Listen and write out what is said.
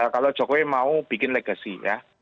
kalau jokowi mau bikin legacy ya